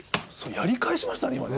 やり返しましたね今ね。